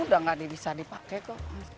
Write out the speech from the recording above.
dua ribu enam udah gak bisa dipakai kok